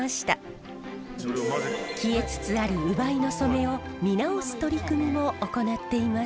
消えつつある烏梅の染めを見直す取り組みも行っています。